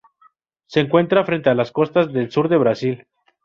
Se encuentra frente a las costas del sur de Brasil.